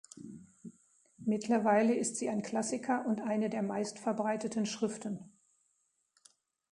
Mittlerweile ist sie ein Klassiker und eine der meistverbreiteten Schriften.